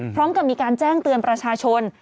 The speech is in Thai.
พร้อมกับมีการแจ้งเตือนประชาชน